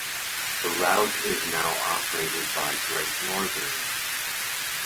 The route is now operated by Great Northern.